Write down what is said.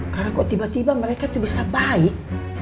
karena kok tiba tiba mereka tuh bisa baik